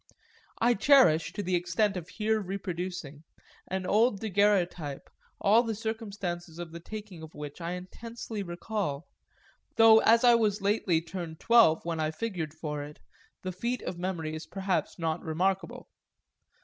I cherish, to the extent of here reproducing, an old daguerreotype all the circumstances of the taking of which I intensely recall though as I was lately turned twelve when I figured for it the feat of memory is perhaps not remarkable.